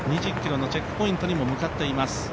２０ｋｍのチェックポイントに向かっています。